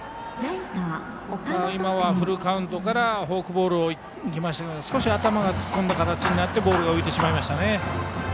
今はフルカウントからフォークボールを行きましたけど少し頭が突っ込んだ形になってボールが浮いてしまいましたね。